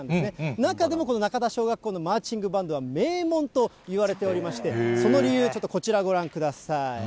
中でもこの中田小学校のマーチングバンドは名門といわれておりまして、その理由、ちょっとこちら、ご覧ください。